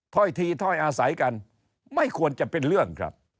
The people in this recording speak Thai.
ถ้อยทีถ้อยอาศัยกันไม่ควรจะเป็นเรื่องครับ